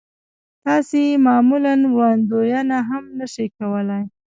تاسې يې معمولاً وړاندوينه هم نه شئ کولای.